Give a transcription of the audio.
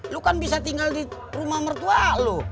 lo kan bisa tinggal di rumah mertua lo